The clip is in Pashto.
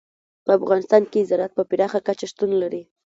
په افغانستان کې زراعت په پراخه کچه شتون لري.